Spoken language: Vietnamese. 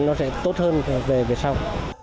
nó sẽ tốt hơn về sau